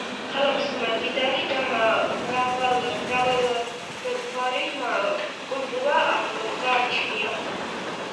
ქალაქს მდიდარი და მრავალგვარი კულტურა გააჩნია.